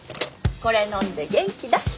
これ飲んで元気出して！